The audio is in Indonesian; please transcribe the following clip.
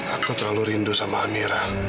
aku terlalu rindu sama amira